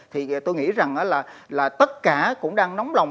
thì tôi nghĩ rằng là tất cả cũng đang nóng lòng